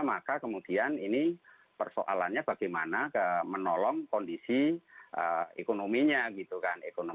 maka kemudian ini persoalannya bagaimana menolong kondisi ekonominya gitu kan